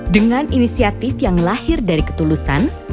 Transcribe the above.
dengan inisiatif yang lahir dari ketulusan